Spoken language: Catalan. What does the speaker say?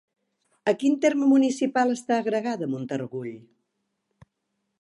A quin terme municipal està agregada Montargull?